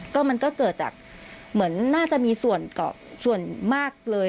ก็มันก็เกิดจากเหมือนน่าจะมีส่วนมากเลย